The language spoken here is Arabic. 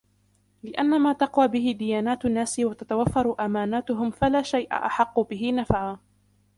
لِأَنَّ مَا تَقْوَى بِهِ دِيَانَاتُ النَّاسِ وَتَتَوَفَّرُ أَمَانَاتُهُمْ فَلَا شَيْءَ أَحَقُّ بِهِ نَفْعًا